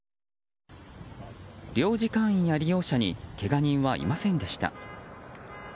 領事館員や利用者にけが人はいませんでした。